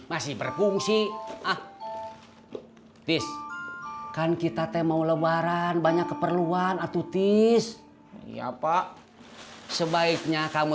masih berfungsi ah this kan kita teh mau lebaran banyak keperluan atuh tis iya pak sebaiknya kamu